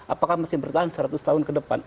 apakah masih bertahan seratus tahun ke depan